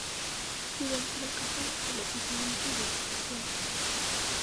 Durante la campaña por la presidencia del Lic.